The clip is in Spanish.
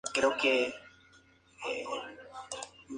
El trío dirigirá los seis episodios con cada uno dirigiendo dos cada uno.